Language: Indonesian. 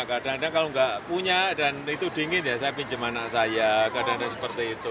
kadang kadang kalau nggak punya dan itu dingin ya saya pinjam anak saya kadang kadang seperti itu